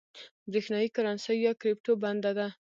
برېښنايي کرنسۍ یا کريپټو بنده ده